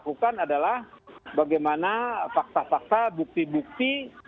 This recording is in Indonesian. lakukan adalah bagaimana fakta fakta bukti bukti